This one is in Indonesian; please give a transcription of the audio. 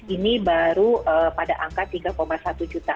ini baru pada angka tiga satu juta